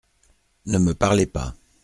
Ne me parlez pas.